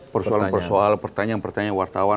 persoalan persoalan pertanyaan pertanyaan wartawan